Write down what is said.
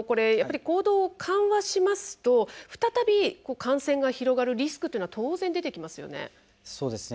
行動を緩和しますと再び感染が広がるリスクというのは当然出てきますよね。